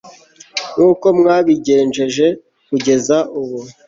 nk'uko mwabigenjeje kugeza ubu